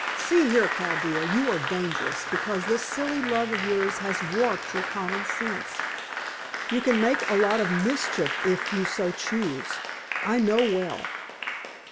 See here, Chaldea, you are dangerous, because this silly love of yours has warped your common sense. You can make a lot of mischief if you so choose, I know well."